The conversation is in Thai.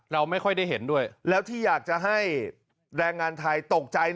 เราไม่ค่อยได้เห็นด้วยแล้วที่อยากจะให้แรงงานไทยตกใจ